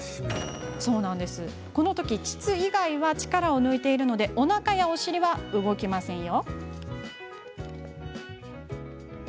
このとき膣以外は力を抜いているのでおなかやお尻は動きませんよ。